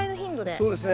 そうですね